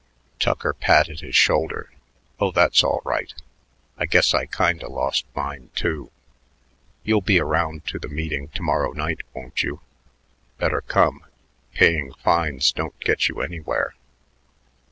Tucker patted his shoulder. "Oh, that's all right. I guess I kinda lost mine, too. You'll be around to the meeting to morrow night, won't you? Better come. Paying fines don't get you anywhere."